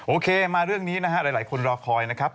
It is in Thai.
โอเคมาเรื่องนี้นะฮะหลายคนรอคอยนะครับ